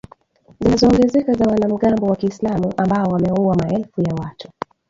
zinazoongezeka za wanamgambo wa kiislam ambao wameua maelfu ya watu